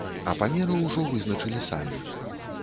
А памеры ўжо вызначалі самі.